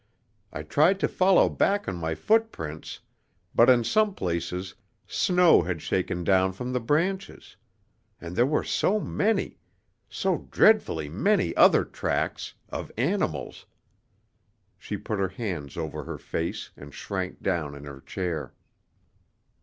I tried to follow back on my footprints, but in some places snow had shaken down from the branches. And there were so many so dreadfully many other tracks of animals " She put her hands over her face and shrank down in her chair.